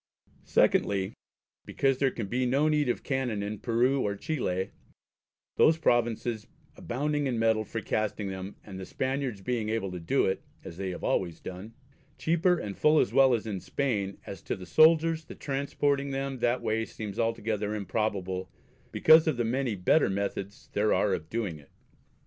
Secondly, because their can be no need of canon in Peru or Chile, those provinces abounding in metal for casting them, and the Spaniards being able to do it (as they always have done) cheaper and full as well as in Spain, and as to the Soldiers, the transporting them that way seems altogether improbable because of the many better methods there are of doing it.